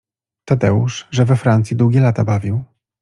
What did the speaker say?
Tadeusz, że we Francji długie lata bawił